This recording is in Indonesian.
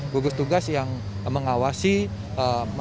gugus tugas yang mengawasi masyarakat